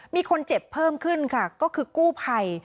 มีคนเจ็บเพิ่มขึ้นค่ะก็คือกู้ภัย